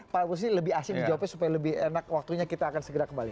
pak agus ini lebih asing dijawabnya supaya lebih enak waktunya kita akan segera kembali